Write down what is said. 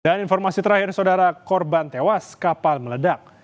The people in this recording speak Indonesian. dan informasi terakhir saudara korban tewas kapal meledak